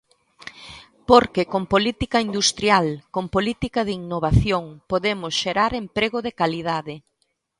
Porque con política industrial, con política de innovación, podemos xerar emprego de calidade.